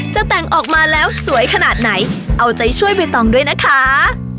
จะแต่งออกมาแล้วสวยขนาดไหนเอาใจช่วยใบตองด้วยนะคะ